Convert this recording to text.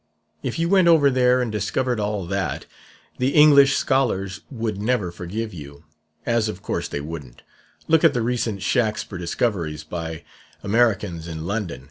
'If you went over there and discovered all that, the English scholars would never forgive you.' As of course they wouldn't: look at the recent Shaxper discoveries by Americans in London!